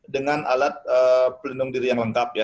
dengan alat pelindung diri yang lengkap ya